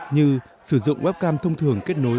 như sử dụng webcam thông thường kết nối